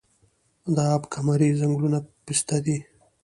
د اب کمري ځنګلونه پسته دي